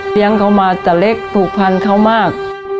เขามาแต่เล็กผูกพันเขามาก